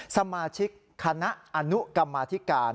สมาชิกคณะอนุกรรมาธิการ